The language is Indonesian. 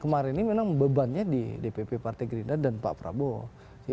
kemarin ini memang bebannya di dpp partai gerindra dan pak prabowo